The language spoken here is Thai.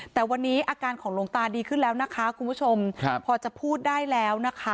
แต่วันนี้อาการของหลวงตาดีขึ้นแล้วนะคะคุณผู้ชมพอจะพูดได้แล้วนะคะ